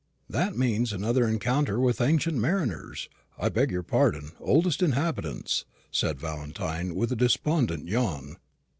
"That means another encounter with ancient mariners I beg your pardon oldest inhabitants," said Valentine with a despondent yawn.